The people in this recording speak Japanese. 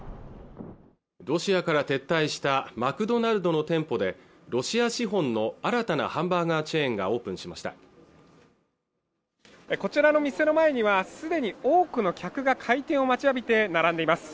ロシアから撤退したマクドナルドの店舗でロシア資本の新たなハンバーガーチェーンがオープンしましたこちらの店の前にはすでに多くの客が開店を待ちわびて並んでいます